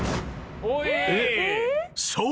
［そう。